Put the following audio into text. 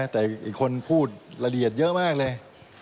แต่อีกคนพูดละเอียดเยอะมากเลย